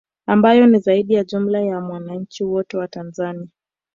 Ambayo ni zaidi ya jumla ya wananchi wote wa Tanzania